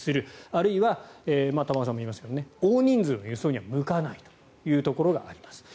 あるいは玉川さんも言いましたが大人数の輸送には向かないというところがあります。